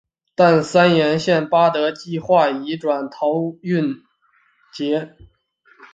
但三莺线八德计画移转桃园捷运。